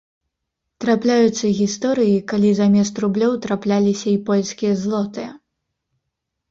Трапляюцца гісторыі, калі замест рублёў трапляліся і польскія злотыя.